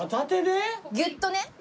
ぎゅっとね。